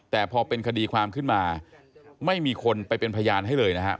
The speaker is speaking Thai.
แต่พอเป็นคดีความขึ้นมาไม่มีคนไปเป็นพยานให้เลยนะครับ